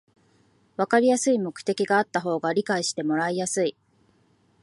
わかりやすい目的があった方が理解してもらいやすい